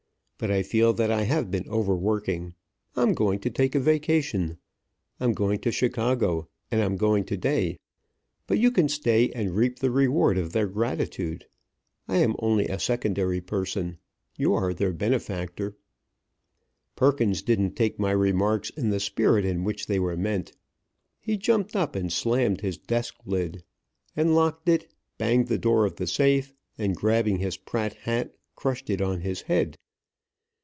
But I feel that I have been overworking. I'm going to take a vacation. I'm going to Chicago, and I'm going to day; but you can stay and reap the reward of their gratitude. I am only a secondary person. You are their benefactor." Perkins didn't take my remarks in the spirit in which they were meant. He jumped up and slammed his desk lid, and locked it, banged the door of the safe, and, grabbing his Pratt hat, crushed it on his head.